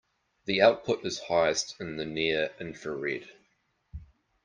The output is highest in the near infrared.